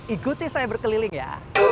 ikuti saya berkeliling ya